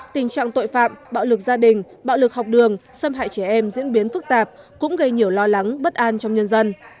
tình trạng tội phạm bạo lực gia đình bạo lực học đường xâm hại trẻ em diễn biến phức tạp cũng gây nhiều lo lắng bất an trong nhân dân